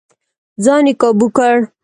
ځان يې کابو کړ.